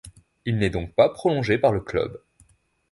Il n'est donc pas prolongé par le club.